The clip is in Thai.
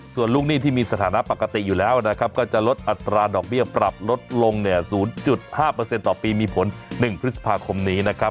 ส่วนลูกหนี้ที่มีสถานะปกติอยู่แล้วนะครับก็จะลดอัตราดอกเบี้ยปรับลดลงเนี่ย๐๕ต่อปีมีผล๑พฤษภาคมนี้นะครับ